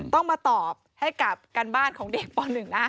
ต้องมาตอบให้กับการบ้านของเด็กป๑นะ